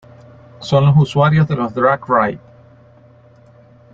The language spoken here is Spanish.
Son los usuarios de los Drag-Ride.